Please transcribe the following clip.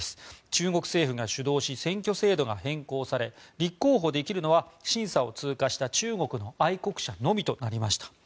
中国政府が主導し選挙制度が変更され立候補できるのは審査を通過した中国の愛国者のみとなりました。